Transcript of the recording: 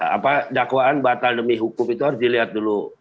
apa dakwaan batal demi hukum itu harus dilihat dulu